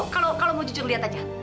kalau mau jujur lihat aja